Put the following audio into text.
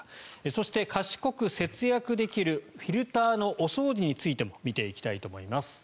そして、賢く節約できるフィルターのお掃除についても見ていきたいと思います。